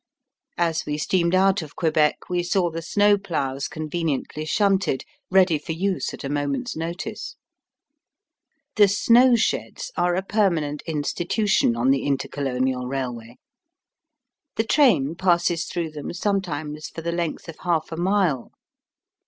As we steamed out of Quebec we saw the snow ploughs conveniently shunted, ready for use at a moment's notice. The snowsheds are a permanent institution on the Intercolonial Railway. The train passes through them sometimes for the length of half a mile.